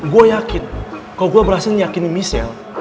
gua yakin kalo gua berhasil nyakini michelle